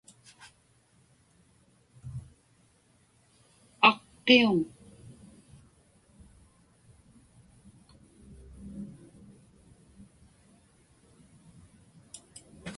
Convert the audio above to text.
Aqqiuŋ.